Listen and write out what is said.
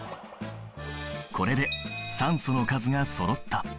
これで酸素の数がそろった。